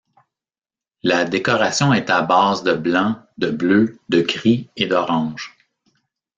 La décoration est à base de blanc, de bleu, de gris et d'orange.